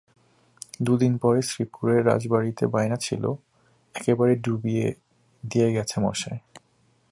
দুদিন পরে শ্রীপুরে রাজবাড়িতে বায়না ছিল, একেবারে ডুবিয়ে দিয়ে গেছে মশায়।